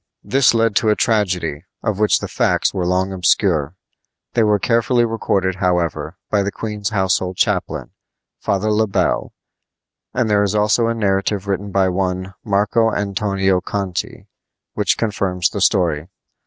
This led to a tragedy, of which the facts were long obscure. They were carefully recorded, however, by the queen's household chaplain, Father Le Bel; and there is also a narrative written by one Marco Antonio Conti, which confirms the story.